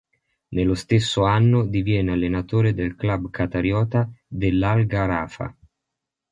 Nello stesso anno diviene allenatore del club qatariota dell'Al-Gharafa.